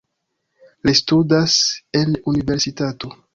Li studas en universitato.